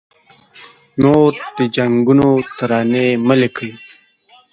نور د جنګونو ترانې مه لیکه